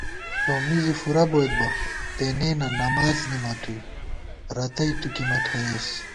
سوّمی زی فُورہ بوئیت بہ، تېنېنہ نماڅ نِمَتُوئی، رتئ تُو کی مہ تھوئېس